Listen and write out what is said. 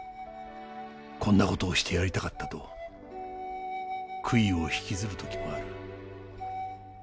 こんな事をしてやりたかったと悔いを引きずる時もある。